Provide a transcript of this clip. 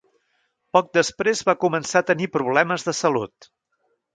Poc després va començar a tenir problemes de salut.